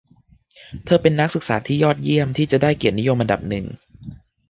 เธอเป็นนักศึกษาที่ยอดเยี่ยมที่จะได้เกียรตินิยมอันดับหนึ่ง